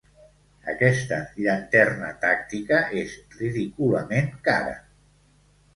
Aquesta llanterna tàctica és ridículament cara.